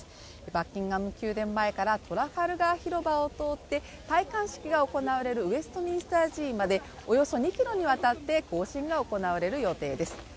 バッキンガム宮殿前からトラファルガー広場を通って戴冠式が行われるウェストミンスター寺院までおよそ２ｋｍにわたって行進が行われる予定です。